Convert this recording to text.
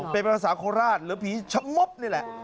เป็นภาษาโคราชหรือผีชะมบนี่แหละ